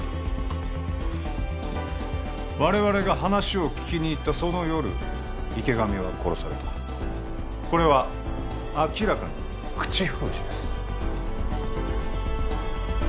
我々が話を聞きにいったその夜池上は殺されたこれは明らかに口封じです